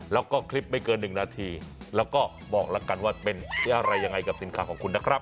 แล้วก็คลิปไม่เกิน๑นาทีแล้วก็บอกแล้วกันว่าเป็นอะไรยังไงกับสินค้าของคุณนะครับ